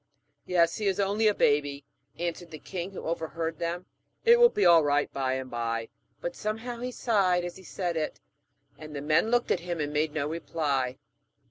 'Yes, he is only a baby,' answered the king who overheard them, 'it will be all right by and by.' But, somehow, he sighed as he said it, and the men looked at him and made no reply.